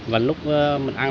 và lúc mình ăn